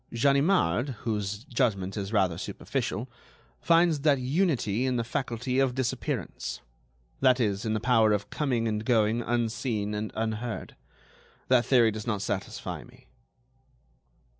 Ganimard, whose judgment is rather superficial, finds that unity in the faculty of disappearance; that is, in the power of coming and going unseen and unheard. That theory does not satisfy me."